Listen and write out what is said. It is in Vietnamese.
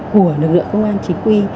của lực lượng công an chính quy